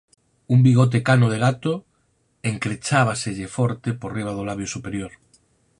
Un bigote cano de gato encrechábaselle forte por riba do labio superior.